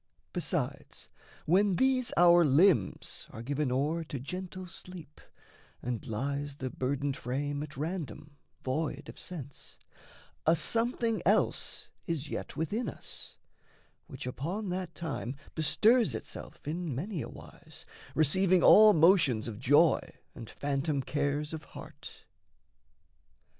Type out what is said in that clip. Besides, when these our limbs are given o'er To gentle sleep and lies the burdened frame At random void of sense, a something else Is yet within us, which upon that time Bestirs itself in many a wise, receiving All motions of joy and phantom cares of heart.